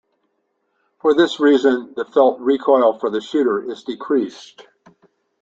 For this reason the felt recoil for the shooter is decreased.